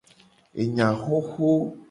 Enya xoxo.